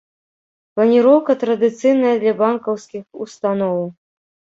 Планіроўка традыцыйная для банкаўскіх устаноў.